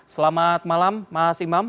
selamat malam mas imam